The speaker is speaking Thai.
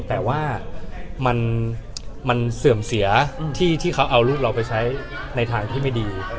แต่ว่ามันเสื่อมเสียที่เขาเอาลูกเราไปใช้ในทางที่ไม่ดี